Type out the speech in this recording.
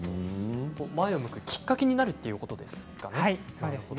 前を向くきっかけになるということですか。